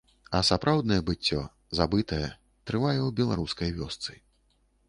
А сапраўднае быццё, забытае, трывае ў беларускай вёсцы.